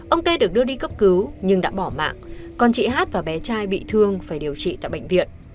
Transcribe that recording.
ông t được đưa đi cấp cứu nhưng đã bỏ mạng còn chị h và bé trai bị thương phải điều trị tại bệnh viện